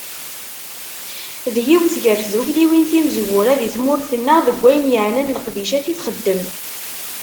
D yiwet gar tddukkliwin timezwura di tmurt-nneɣ deg wayen yeɛnan leqdicat i t-xeddem.